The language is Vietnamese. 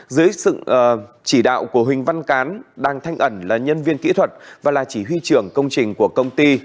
dưới sự chỉ đạo của huỳnh văn cán đang thanh ẩn là nhân viên kỹ thuật và là chỉ huy trưởng công trình của công ty